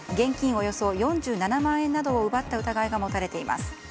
およそ４７万円などを奪った疑いが持たれています。